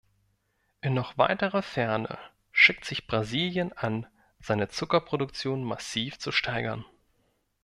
In noch weiterer Ferne schickt sich Brasilien an, seine Zuckerproduktion massiv zu steigern.